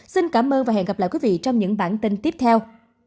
xin cảm ơn và hẹn gặp lại quý vị trong những bản tin tiếp theo